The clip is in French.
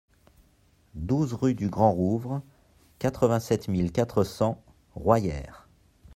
douze rue du Grand Rouvre, quatre-vingt-sept mille quatre cents Royères